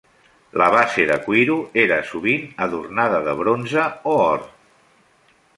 La base de cuiro era sovint adornada de bronze o or.